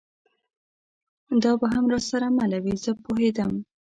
دا به هم را سره مله وي، زه پوهېدم.